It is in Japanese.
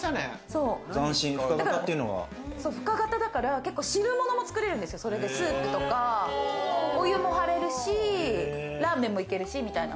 深型だから汁物も作れるんですよ、スープとか、お湯も張れるし、ラーメンもいけるしみたいな。